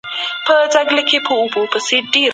ایا له ډېر خوراک څخه ډډه کول د معدې لپاره ګټور دي؟